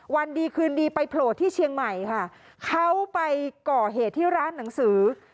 วันดีคืนดีไปโผล่ที่เชียงใหม่ค่ะเขาไปก่อเหตุที่ร้านหนังสือ